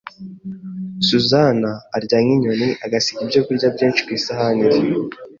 Susan arya nk'inyoni agasiga ibyokurya byinshi ku isahani ye.